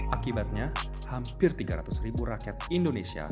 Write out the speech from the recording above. akibatnya hampir tiga ratus ribu rakyat indonesia